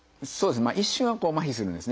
一瞬は麻痺するんですね。